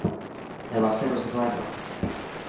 Eva se rozhlédla.